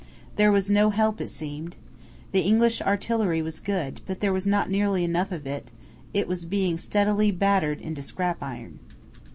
There was no help, it seemed. The English artillery was good, but there was not nearly enough of it; it was being steadily battered into scrap iron.